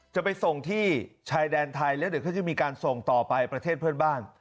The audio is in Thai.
จะไปส่งที่ชายแดนไทยแล้วเดี๋ยวเขาจะมีการส่งต่อไปประเทศเพื่อนบ้าน